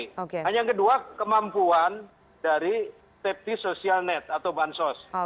hanya yang kedua kemampuan dari safety social net atau bansos